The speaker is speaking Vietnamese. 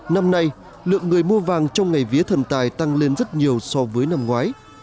năm nay lượng người mua vàng trong ngày vía thần tài tăng lên rất nhiều so với năm ngoái